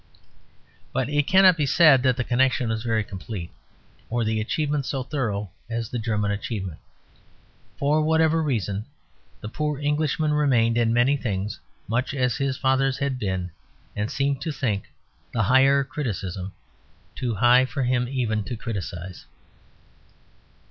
But it cannot be said that the connection was very complete, or the achievement so thorough as the German achievement. For whatever reason, the poor Englishman remained in many things much as his fathers had been, and seemed to think the Higher Criticism too high for him even to criticize.